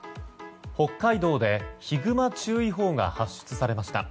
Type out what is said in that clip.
北海道でヒグマ注意報が発出されました。